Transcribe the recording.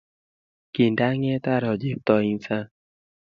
Kindang'et aro Cheptoo eng' sang'